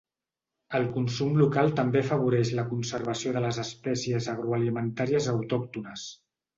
El consum local també afavoreix la conservació de les espècies agroalimentàries autòctones.